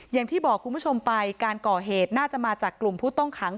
อย่างที่บอกคุณผู้ชมไปการก่อเหตุน่าจะมาจากกลุ่มผู้ต้องขัง